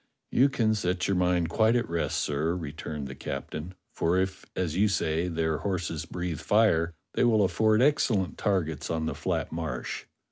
"You can set your mind quite at rest, sir," returned the captain, "for if as you say their horses breathe fire, they will afford excellent targets on the flat Marsh.